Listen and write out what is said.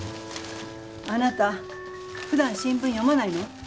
あなたふだん新聞読まないの？